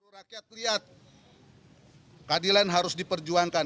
rakyat lihat keadilan harus diperjuangkan